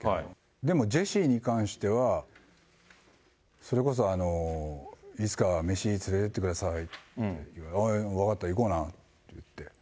でも、ジェシーに関しては、それこそいつかは飯、連れていってくださいって、ああ、分かった、行こうなって言って。